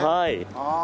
ああ。